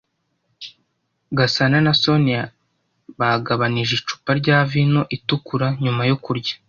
Gasana na Soniya bagabanije icupa rya vino itukura nyuma yo kurya.